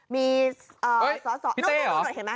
พี่เต้หรอ